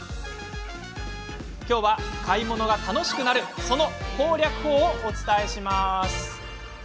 きょうは買い物が楽しくなるその攻略法をお伝えします。